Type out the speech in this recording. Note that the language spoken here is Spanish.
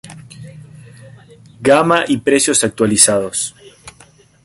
Gama y precios actualizados